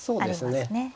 そうですね。